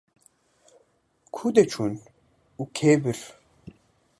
Ku de çûn û kê bir?